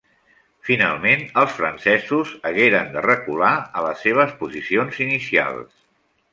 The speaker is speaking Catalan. Finalment, els francesos hagueren de recular a les seves posicions inicials.